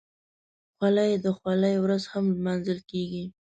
خولۍ د خولۍ ورځ هم لمانځل کېږي.